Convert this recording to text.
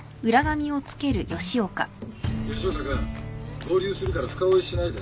吉岡君合流するから深追いしないで。